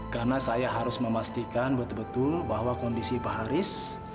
karena saya harus memastikan betul betul bahwa kondisi pak haris